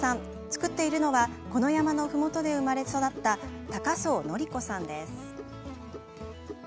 作っているのはこの山のふもとで生まれ育った高相則子さんです。